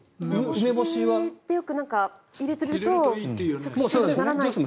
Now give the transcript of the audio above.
梅干しって入れていると食中毒にならないって。